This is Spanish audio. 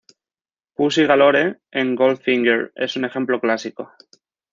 Pussy Galore en "Goldfinger" es un ejemplo clásico.